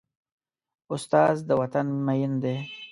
استاد د وطن مین دی.